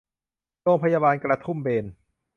โรงพยาบาลกระทุ่มแบน